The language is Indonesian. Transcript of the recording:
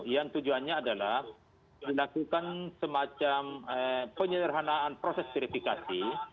yang tujuannya adalah melakukan semacam penyerhanaan proses verifikasi